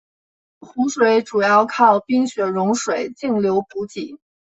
湖水主要靠冰雪融水径流补给。